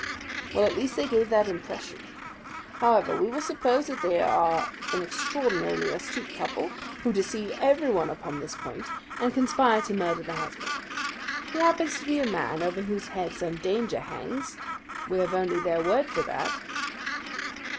"Well at least they gave that impression. However, we will suppose that they are an extraordinarily astute couple, who deceive everyone upon this point, and conspire to murder the husband. He happens to be a man over whose head some danger hangs " "We have only their word for that."